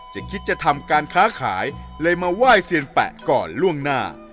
คิดจะทำการค้าขายเลยมาไหว้เซียนแปะก่อนล่วงหน้า